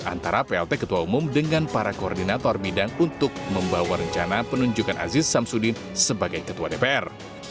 antara plt ketua umum dengan para koordinator bidang untuk membawa rencana penunjukan aziz samsudin sebagai ketua dpr